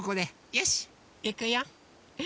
よしいくよ！